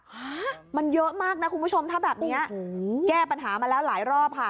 ฮะมันเยอะมากนะคุณผู้ชมถ้าแบบเนี้ยอืมแก้ปัญหามาแล้วหลายรอบค่ะ